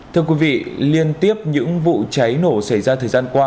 thưa quý vị liên tiếp những vụ cháy nổ xảy ra thời gian qua